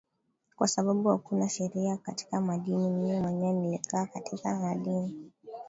kwa sababu hakuna sheria katika madini mimi mwenyewe nilikuwa katika madini